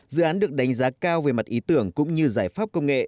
dự án được đánh giá cao về mặt ý tưởng cũng như giải pháp công nghệ